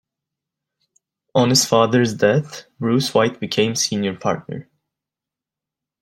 On his father's death Bruce White became senior partner.